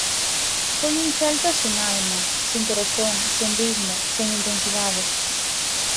Foi un Celta sen alma, sen corazón, sen ritmo, sen intensidade.